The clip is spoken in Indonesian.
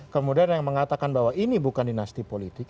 kemudian yang mengatakan bahwa ini bukan dinasti politik